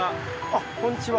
あっこんにちは。